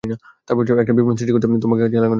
একটা বিভ্রম সৃষ্টি করতে, তোমাকে কাজে লাগানো যাবে।